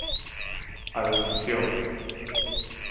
A descrición.